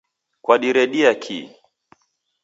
Kwadiredia kii?